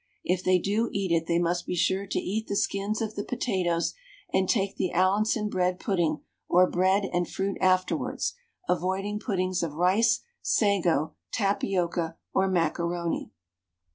If they do eat it they must be sure to eat the skins of the potatoes, and take the Allinson bread pudding or bread and fruit afterwards, avoiding puddings of rice, sago, tapioca, or macaroni.